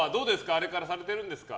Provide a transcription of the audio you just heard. あれからされてるんですか。